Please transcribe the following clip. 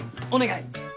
お願い。